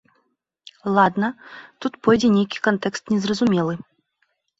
Ладна, тут пойдзе нейкі кантэкст незразумелы.